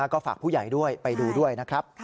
ก็ฝากผู้ใหญ่ด้วยไปดูด้วยนะครับ